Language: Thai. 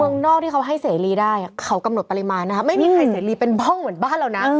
เมืองนอกที่เขาให้เสรีได้เขากำหนดปริมาณนะครับไม่มีใครเสรีเป็นบ้องเหมือนบ้านเรานะ